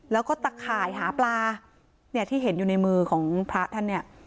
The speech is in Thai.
แล้วก็ตะข่ายหาปลาเนี่ยที่เห็นอยู่ในมือของพระท่านเนี่ย